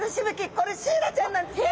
これシイラちゃんなんですね！